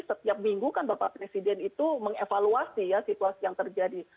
setiap minggu kan bapak presiden itu mengevaluasi ya situasi yang terjadi